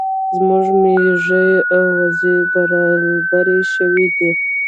زموږ ميږي او وزې برالبې شوې دي